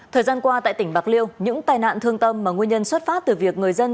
thời gian qua tại tỉnh bạc liêu những tai nạn thương tâm mà nguyên nhân xuất phát từ việc người dân